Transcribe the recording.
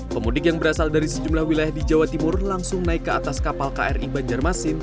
pemudik yang berasal dari sejumlah wilayah di jawa timur langsung naik ke atas kapal kri banjarmasin